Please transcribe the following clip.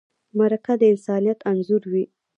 مرکه دې د انسانیت انځور وي.